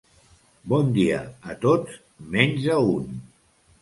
Bon dia a tots, menys a un.